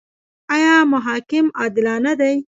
آیا محاکم عادلانه دي؟